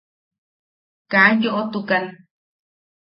Kaa yoʼotukan.